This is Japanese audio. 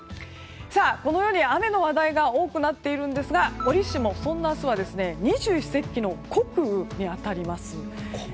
このように雨の話題が多くなっているんですがおりしも、そんな明日は二十四節気の穀雨に当たります。